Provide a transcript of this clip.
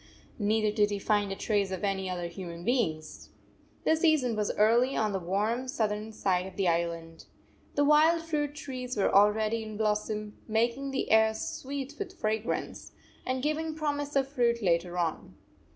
Neither did he find a trace of any other human beings. The season was early on the warm south ern side of the island. The wild fruit trees were already in blossom, making the air sweet with fragrance, and giving promise of fruit later on.